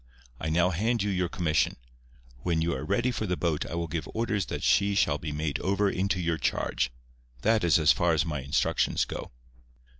I now hand you your commission. When you are ready for the boat I will give orders that she shall be made over into your charge. That is as far as my instructions go."